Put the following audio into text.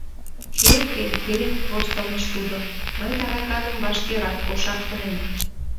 — Хе-хе-хе, — воштылеш тудо, — мый тараканым вашкерак кошартынем.